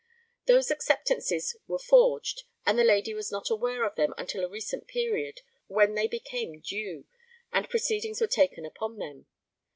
Those acceptances were forged, and the lady was not aware of them until a recent period, when they became due, and proceedings were taken upon them.